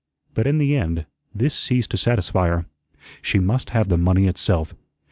But in the end this ceased to satisfy her, she must have the money itself.